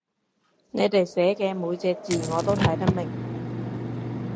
你哋寫嘅每隻字我都睇得明